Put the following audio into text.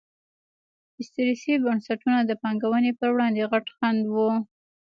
استثري بنسټونه د پانګونې پر وړاندې غټ خنډ وو.